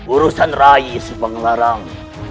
urusan rai subang larang